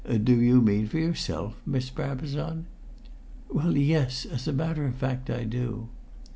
"Do you mean for yourself, Miss Brabazon?" "Well, yes, as a matter of fact I do."